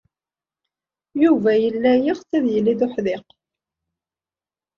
Yuba yella yeɣs ad yili d uḥdiq.